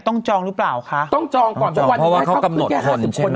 ต้องจองหรือเปล่าคะต้องจองก่อนเพราะว่าเขากำหนดคนใช่ไหม